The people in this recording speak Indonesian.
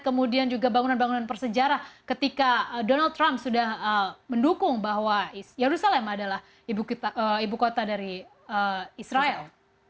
kemudian juga bangunan bangunan bersejarah ketika donald trump sudah mendukung bahwa yerusalem adalah ibu kota dari israel